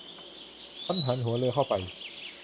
ครั้นหันหัวเรือเข้าไป